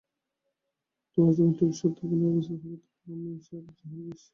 তোর যখন ঠিক ঠিক সত্ত্বগুণের অবস্থা হবে তখন আমিষহার ছেড়ে দিস।